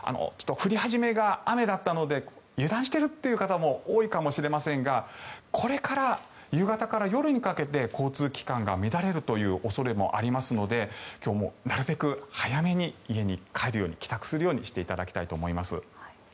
降り始めが雨だったので油断しているという方も多いかもしれませんがこれから夕方から夜にかけて交通機関が乱れる恐れもありますので今日もなるべく早めに家に帰るように帰宅するようにしていただきたいと思います。